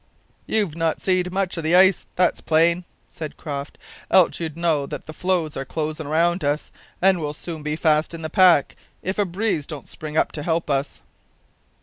"You've not seed much o' the ice yet, that's plain," said Croft, "else you'd know that the floes are closin' round us, an' we'll soon be fast in the pack, if a breeze don't spring up to help us."